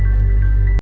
demi putan cnn indonesia